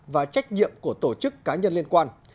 và trách nhiệm của tổ chức cá nhân liên quan